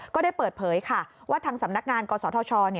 ก็ได้เปิดเผยค่ะว่าทางสำนักงานกศธช